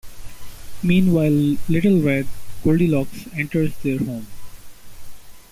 Meanwhile, Little Red Goldilocks enters their home.